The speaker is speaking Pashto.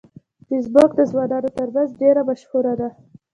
فېسبوک د ځوانانو ترمنځ ډیره مشهوره ده